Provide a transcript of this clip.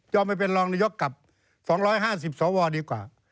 ไปเป็นรองนายกกับ๒๕๐สวดีกว่า